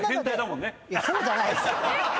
そうじゃないです。